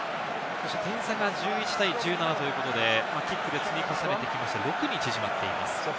点差が１１対１７ということで、キックで積み重ねていきまして、６に縮まっています。